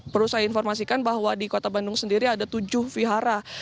perlu saya informasikan bahwa di kota bandung sendiri ada tujuh vihara